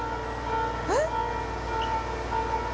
えっ？